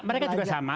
mereka juga sama